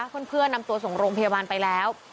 เพื่อนนำตัวส่งโรงพยาบาลไปแล้ว